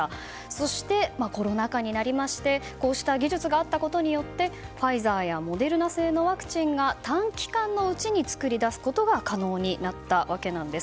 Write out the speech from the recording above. そして、コロナ禍になりましてこうした技術があったことによりファイザーやモデルナ製のワクチンが短期間のうちに作り出すことが可能になったわけなんです。